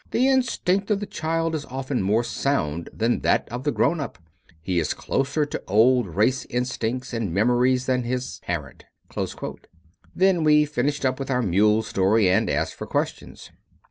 "The instinct of the child is often more sound than that of the grown up. He is closer to old race instincts and memories than his parent." Then we finished up with our mule story and asked for questions.